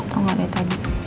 tau gak dari tadi